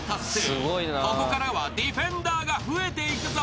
［ここからはディフェンダーが増えていくぞ］